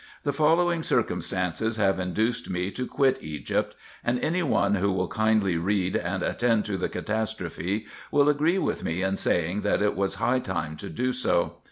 The following circum stances have induced me to quit Egypt ; and any one who will kindly read and attend to the catastrophe, will agree with me in saying, that it was high time to do so.